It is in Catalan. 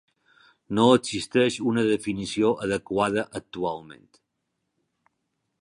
No existeix una definició adequada actualment.